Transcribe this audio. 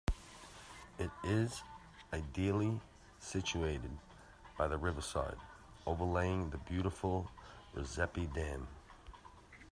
It is ideally situated by the riverside overlying the beautiful Rusape Dam.